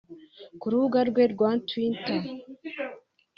Ku rubuga rwe rwa Twitter